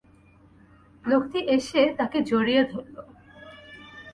লোকটি এসে তাঁকে জড়িয়ে ধরল।